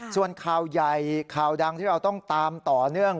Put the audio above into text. ส่วนข่าวใหญ่ข่าวดังที่เราต้องตามต่อเนื่อง